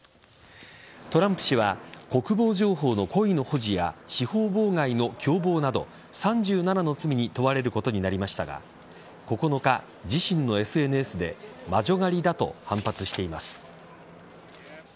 トランプ氏は国防情報の故意の保持や司法妨害の共謀など３７の罪に問われることになりましたが９日、自身のＳＮＳで魔女狩りだと反発しています。